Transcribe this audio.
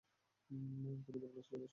তুমি তো বলেছিলে ওদের সবাইকে মেরে ফেলেছ!